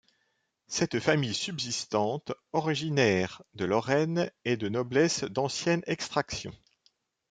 Cette famille subsistante, originaire de Lorraine, est de noblesse d'ancienne extraction.